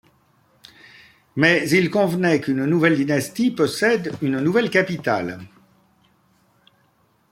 Mais il convenait qu’une nouvelle dynastie possède une nouvelle capitale.